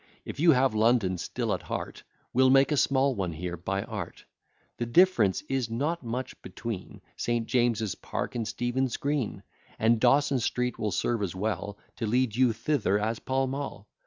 If you have London still at heart, We'll make a small one here by art; The difference is not much between St. James's Park and Stephen's Green; And Dawson Street will serve as well To lead you thither as Pall Mall.